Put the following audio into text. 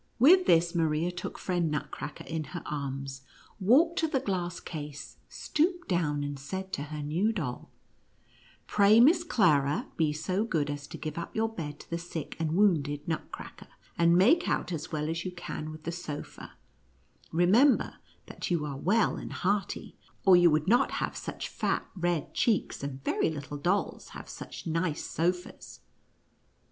With this 30 NUTCEACKER AND MOUSE KING. Maria took friend Nutcracker in lier arms, walked to the glass case, stooped down, and said to her new doll, " Pray, Miss Clara, be so good as to give up your bed to the sick and wounded Nutcracker, and make out as well as you can with the sofa, Remember that you are well and hearty, or you would not have such fat red cheeks, and very few little dolls have such nice sofas."